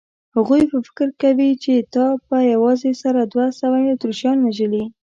هغوی به فکر کوي چې تا په یوازې سره دوه سوه اتریشیان وژلي.